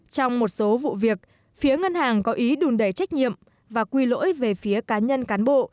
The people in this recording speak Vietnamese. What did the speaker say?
trong một số vụ việc phía ngân hàng có ý đùn đẩy trách nhiệm và quy lỗi về phía cá nhân cán bộ